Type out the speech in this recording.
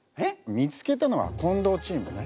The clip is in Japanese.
見つけたのは近藤チームね。